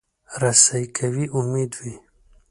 رسۍ که وي، امید وي.